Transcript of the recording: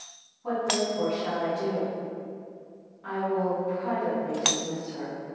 16 What therefore shall I do? I will privately dismiss her.